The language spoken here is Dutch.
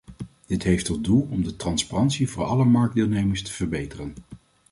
Dit heeft tot doel om de transparantie voor alle marktdeelnemers te verbeteren.